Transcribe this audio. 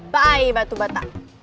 bye batu bata